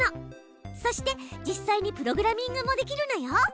そして実際にプログラミングもできるのよ。